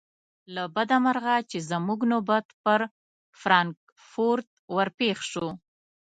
له بده مرغه چې زموږ نوبت پر فرانکفورت ور پیښ شو.